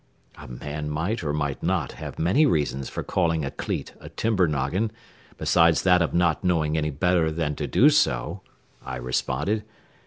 "A man might or might not have many reasons for calling a cleat a timber noggin besides that of not knowing any better than to do so," I responded.